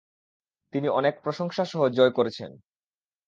তিনি অনেক প্রশংসা সহ জয় করেছেন।